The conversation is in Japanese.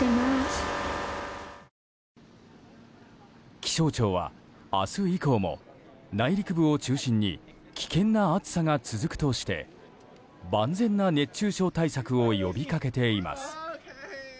気象庁は、明日以降も内陸部を中心に危険な暑さが続くとして万全な熱中症対策を呼びかけています。